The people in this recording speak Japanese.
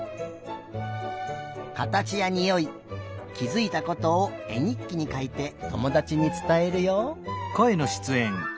かたちやにおいきづいたことをえにっきにかいてともだちにつたえるよ。